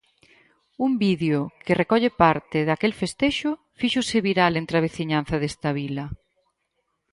Un vídeo que recolle parte daquel festexo fíxose viral entre a veciñanza desta vila.